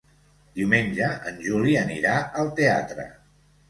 Diumenge en Juli anirà al teatre.